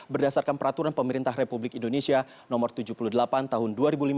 berdasarkan peraturan pemerintah republik indonesia no tujuh puluh delapan tahun dua ribu lima belas